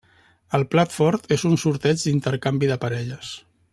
El plat fort és un sorteig d'intercanvi de parelles.